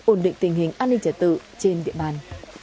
ổn định tình hình an ninh trả tự trên địa bàn